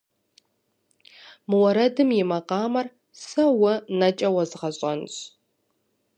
Мы уэрэдым и макъамэр сэ уэ нэкӏэ уэзгъэщӏэнщ.